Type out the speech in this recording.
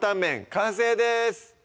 完成です